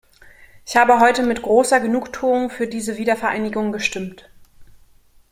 Ich habe heute mit großer Genugtuung für diese Wiedervereinigung gestimmt.